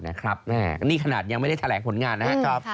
นี่ขนาดยังไม่ได้แถลงผลงานนะครับ